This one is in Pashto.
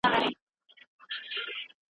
د تسلۍ راسره څوک دي